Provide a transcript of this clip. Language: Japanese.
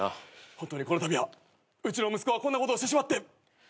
本当にこのたびはうちの息子がこんなことをしてしまって。